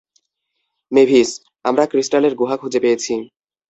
Mavis, আমরা ক্রিস্টালের গুহা খুঁজে পেয়েছি।